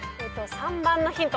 ３番のヒント